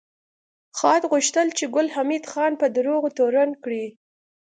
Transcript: خاد غوښتل چې ګل حمید خان په دروغو تورن کړي